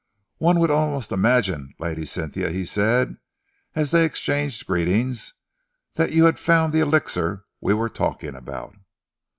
"One would almost imagine, Lady Cynthia," he said, as they exchanged greetings, "that you had found that elixir we were talking about."